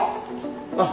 あ。